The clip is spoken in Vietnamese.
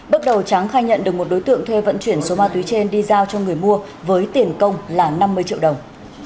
bước đầu tráng khai nhận được một đối tượng thuê vận chuyển số ma túy trên đi giao cho người mua với tiền công là năm mươi triệu đồng